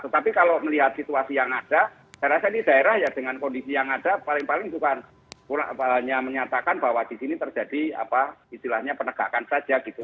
tetapi kalau melihat situasi yang ada saya rasa ini daerah ya dengan kondisi yang ada paling paling juga menyeatakan bahwa disini terjadi penegakan saja gitu